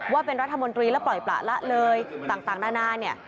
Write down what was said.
ว่าเป็นรัฐมนตรีแล้วปล่อยประหละเลยต่างหน้า